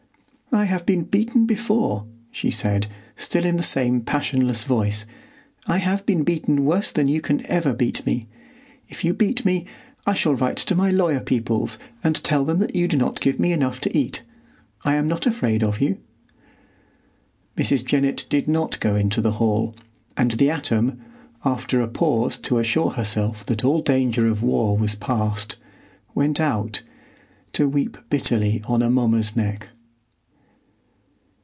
"I have been beaten before," she said, still in the same passionless voice; "I have been beaten worse than you can ever beat me. If you beat me I shall write to my lawyer peoples and tell them that you do not give me enough to eat. I am not afraid of you." Mrs. Jennett did not go into the hall, and the atom, after a pause to assure herself that all danger of war was past, went out, to weep bitterly on Amomma's neck.